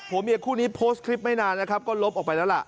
ผัวเมียคู่นี้โพสต์คลิปไม่นานก็รบออกไปแล้ว